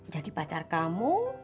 jadi pacar kamu